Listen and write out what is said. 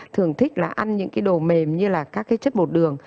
thường thích là ăn những cái đồ mềm như là các cái chất bột đường